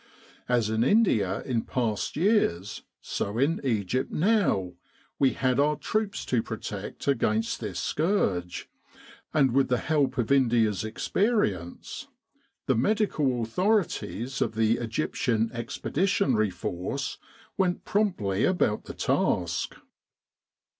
As in India in past years, so in Egypt now, we had our troops to protect ag ainst this scourge; and with the help of India's experience, the medical authorities of the E.E.F. went promptly about the task.